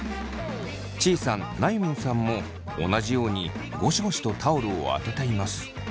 ちーさんなゆみんさんも同じようにゴシゴシとタオルを当てています。